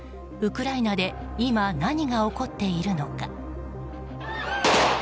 ウクライナで今、何が起こっているのか。